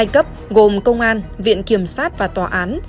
hai cấp gồm công an viện kiểm sát và tòa án